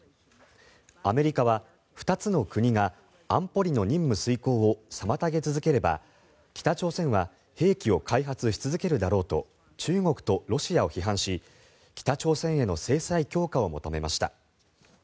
アメリカは、２つの国が安保理の任務遂行を妨げ続ければ北朝鮮は兵器を開発し続けるだろうと中国とロシアを批判し北朝鮮への制裁強化を求めました。